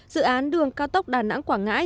dự án đường cao tốc đà nẵng quảng ngãi